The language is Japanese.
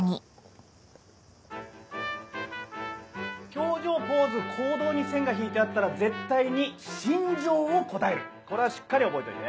表情ポーズ行動に線が引いてあったら絶対に心情を答えるこれはしっかり覚えといて。